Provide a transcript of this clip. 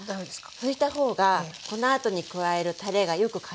拭いた方がこのあとに加えるたれがよくからむんです。